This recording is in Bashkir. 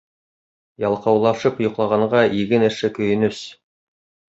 Ялҡаулашып йоҡлағанға иген эше көйөнөс.